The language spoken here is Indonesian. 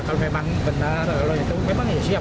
kalau memang benar memang siap